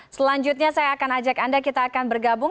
selanjutnya saya akan ajak anda kita akan bergabung